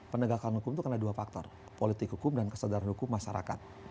penegakan hukum itu karena dua faktor politik hukum dan kesadaran hukum masyarakat